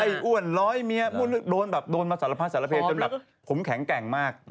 ไอ้อ้วนร้อยเมียโดนมาสารพราชสารเพศจนแบบผมแข็งแกร่งมาก